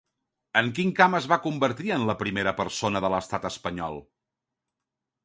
En quin camp es va convertir en la primera persona de l'estat espanyol?